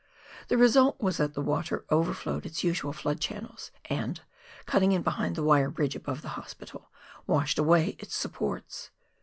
The result was that the water over flowed its usual flood channels, and, cutting in behind the wire bridge above the Hospital, washed away its supports.